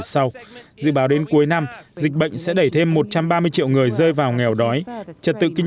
sau dự báo đến cuối năm dịch bệnh sẽ đẩy thêm một trăm ba mươi triệu người rơi vào nghèo đói trật tự kinh